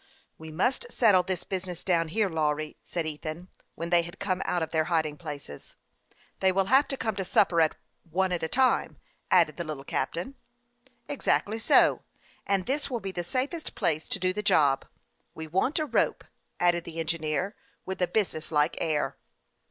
" We must settle; this business down here, Lawry," said Ethan, when they had come out of their hiding places. " They will have to come to supper one at a time," added the little captain. " Exactly so ; and this will be the safest place to do the job. We want a rope," added the en gineer, with a business like air.